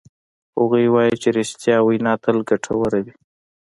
هغوی وایي چې ریښتیا وینا تل ګټوره وی